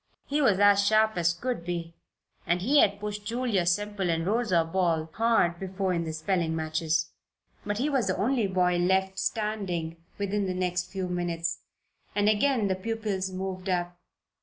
He was as sharp as could be and he had pushed Julia Semple and Rosa Ball hard before in the spelling matches. But he was the only boy left standing within the next few minutes, and again the pupils moved up.